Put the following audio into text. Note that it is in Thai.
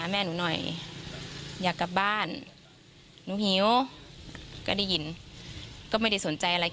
แม่จ๊า